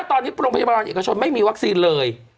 ตอนนี้โรงพยาบาลเอกชนไม่มีวัคซีนเลย